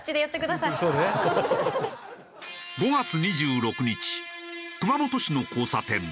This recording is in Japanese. ５月２６日熊本市の交差点。